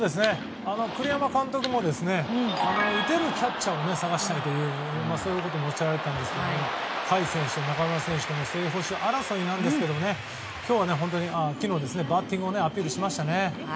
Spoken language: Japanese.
栗山監督も打てるキャッチャーを探したいとそういうことをおっしゃられたんですけど甲斐選手と中村選手との正捕手争いですが昨日はバッティングをアピールしましたね。